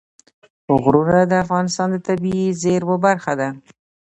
غرونه د افغانستان د طبیعي زیرمو برخه ده.